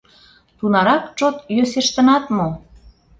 — Тунарак чот йӧсештынат мо?